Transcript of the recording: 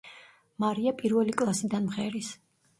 მარია პირველი კლასიდან მღერის.